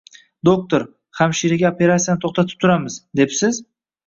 Doktor, hamshiraga operasiyani to`xtatib turamiz, debsiz